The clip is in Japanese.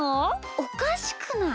おかしくない？